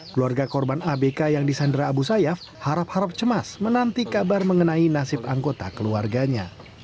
keluarga korban abk yang disandera abu sayyaf harap harap cemas menanti kabar mengenai nasib anggota keluarganya